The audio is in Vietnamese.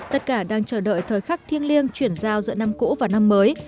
tất cả đang chờ đợi thời khắc thiêng liêng chuyển giao giữa năm cũ và năm mới